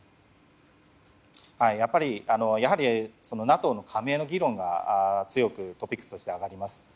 やはりＮＡＴＯの加盟の議論が強くトピックスとしては上がります。